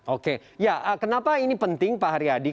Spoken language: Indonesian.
oke ya kenapa ini penting pak haryadi